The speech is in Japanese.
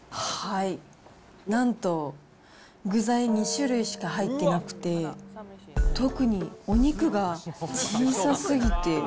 なんと、具材２種類しか入っていなくて、特にお肉が小さすぎて。